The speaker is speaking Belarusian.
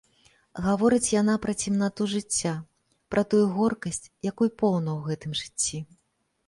Гаворыць яна пра цемнату жыцця, пра тую горкасць, якой поўна ў гэтым жыцці.